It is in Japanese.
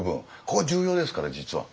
ここ重要ですから実は。